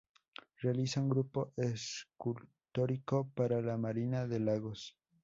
Realiza un Grupo Escultórico para la Marina de Lagos.